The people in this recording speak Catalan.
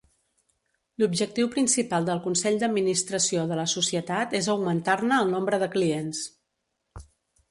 L'objectiu principal del Consell d'Administració de la societat és augmentar-ne el nombre de clients.